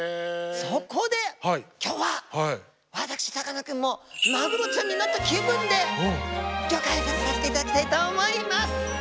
そこで今日は私さかなクンもマグロちゃんになった気分でギョ解説させていただきたいと思います！